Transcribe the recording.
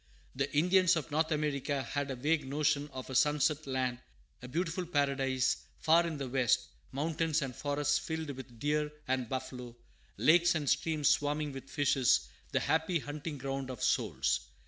The Indians of North America had a vague notion of a sunset land, a beautiful paradise far in the west, mountains and forests filled with deer and buffalo, lakes and streams swarming with fishes, the happy hunting ground of souls.